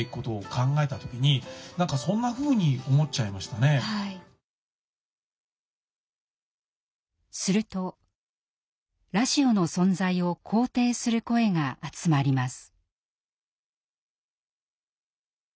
たくさんの方がするとラジオの存在を肯定する声が集まります。